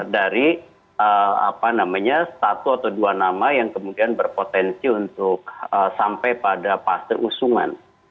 dari satu atau dua nama yang kemudian berpotensi untuk sampai pada fase usungan